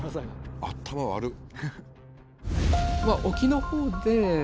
頭悪っ！